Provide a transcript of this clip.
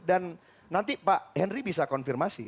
dan nanti pak henry bisa konfirmasi